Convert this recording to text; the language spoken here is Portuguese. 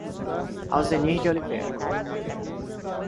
Alzenir de Oliveira